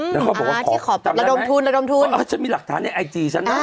แล้วเขาบอกว่าขอแบบระดมทุนระดมทุนจะมีหลักฐานในไอจีฉันนะ